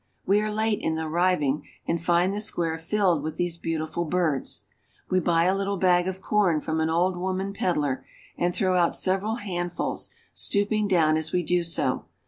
We are late in arriving, and find the square filled with these beautiful birds. We buy a little bag of corn from an old woman peddler, and throw out several handfuls, stooping down as we do so.